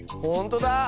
ほんとだ！